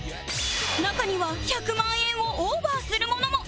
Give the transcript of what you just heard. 中には１００万円をオーバーするものも